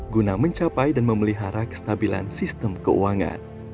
guna mencapai dan memelihara kestabilan sistem keuangan